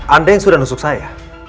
anda yang sudah nusuk saya